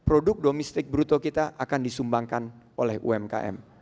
produk domestik bruto kita akan disumbangkan oleh umkm